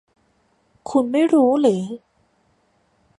คุณไม่รู้หรือ